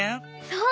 そう！